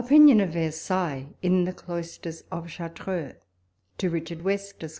19 OriXIOX OF VEJiSAILLES IN THE CLOISTERS OF CEARTREUX. To Richard West, Esq.